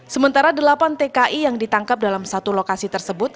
sementara delapan tki yang ditangkap dalam satu lokasi tersebut